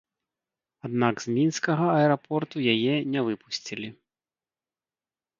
Аднак з мінскага аэрапорту яе не выпусцілі.